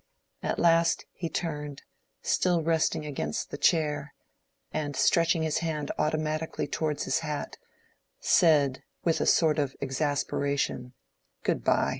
At last he turned, still resting against the chair, and stretching his hand automatically towards his hat, said with a sort of exasperation, "Good by."